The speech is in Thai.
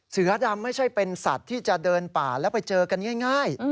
เสือดำไม่ใช่เป็นสัตว์ที่จะเดินป่าแล้วไปเจอกันง่าย